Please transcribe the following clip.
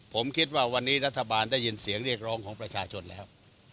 ผมคิดว่าวันนี้รัฐบาลได้ยินเสียงเรียกร้องของประชาชนแล้ว